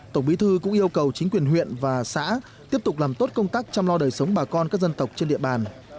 tổng bí thư cũng yêu cầu chính quyền huyện và xã tiếp tục làm tốt công tác chăm lo đời sống bà con các dân tộc trên địa bàn